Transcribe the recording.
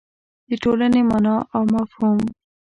د ټولنې مانا او مفهوم